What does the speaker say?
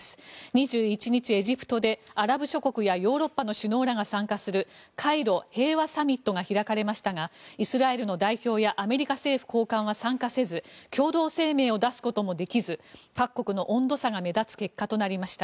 ２１日、エジプトでアラブ諸国やヨーロッパの首脳らが参加するカイロ平和サミットが開かれましたがイスラエルの代表やアメリカ政府高官は参加せず共同声明を出すこともできず各国の温度差が目立つ結果となりました。